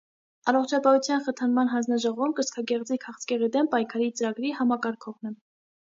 Առողջապահության խթանման հանձնաժողովում կրծքագեղձի քաղցկեղի դեմ պայքարի ծրագրի համակարգողն է։